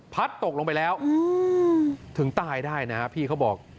ตกลงไปแล้วถึงตายได้นะพี่เขาบอก